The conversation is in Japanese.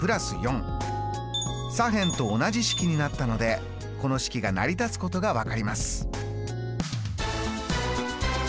左辺と同じ式になったのでこの式が成り立つことが分かります。